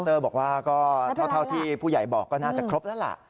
เตอร์บอกว่าก็เท่าที่ผู้ใหญ่บอกก็น่าจะครบแล้วล่ะ